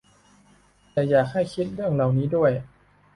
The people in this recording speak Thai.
แต่อยากให้คิดเรื่องเหล่านี้ด้วย